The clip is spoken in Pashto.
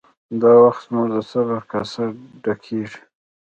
دا وخت زموږ د صبر کاسه ډکیږي